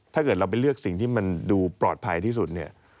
ถ้าเกิดเราไปเลือกสิ่งที่มันดูปลอดภัยที่สุดเนี่ย